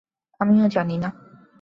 আমিও জানি না।